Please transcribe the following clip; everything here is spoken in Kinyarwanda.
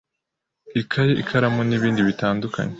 ikaye, ikaramu n'ibindi bitandukanye